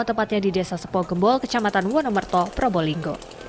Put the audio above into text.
tepatnya di desa sepo gembol kecamatan wonomerto probolinggo